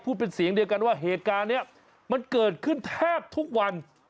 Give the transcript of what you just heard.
เป็นเสียงเดียวกันว่าเหตุการณ์นี้มันเกิดขึ้นแทบทุกวัน